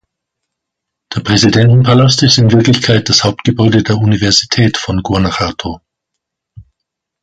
Der „Präsidentenpalast“ ist in Wirklichkeit das Hauptgebäude der Universität von Guanajuato.